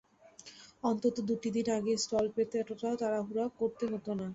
অন্তত দুটি দিন আগে স্টল পেলে এতটা তাড়াহুড়ো করতে হতো না।